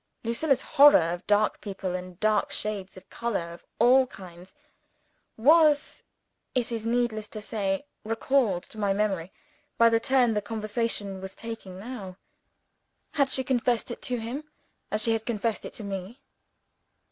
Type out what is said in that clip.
Lucilla's horror of dark people and dark shades of color, of all kinds, was, it is needless to say, recalled to my memory by the turn the conversation was taking now. Had she confessed it to him, as she had confessed it to me?